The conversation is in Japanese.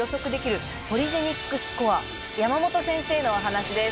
山本先生のお話です。